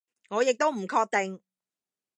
我亦都唔確定